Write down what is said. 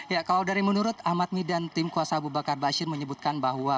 ya kalau dari menurut ahmad midan tim kuasa aba bakar aba asyir menyebutkan bahwa